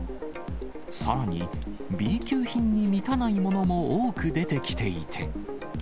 さらに、Ｂ級品に満たないものも多く出てきていて。